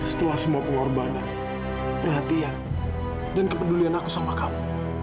setelah semua pengorbanan perhatian dan kepedulian aku sama kamu